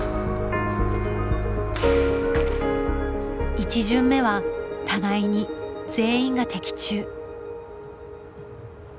１巡目は互いに全員が的中。